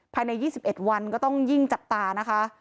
ภายใน๒๑วันก็ต้องยิ่งจับตานะคะ